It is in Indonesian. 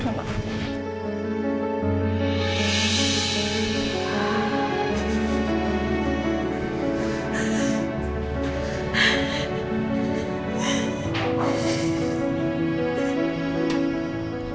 ada apa sarah